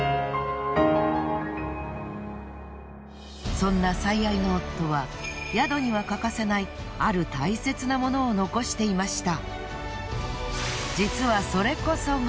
そんな最愛の夫は宿には欠かせないある大切なモノを残していました。